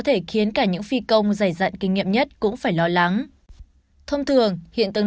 thể khiến cả những phi công dày dặn kinh nghiệm nhất cũng phải lo lắng thông thường hiện tầng